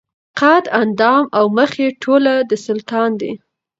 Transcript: قد اندام او مخ یې ټوله د سلطان دي